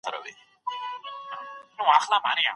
ماشومانو ته د مطالعې عادت په کوچنيوالي کي ورکړئ.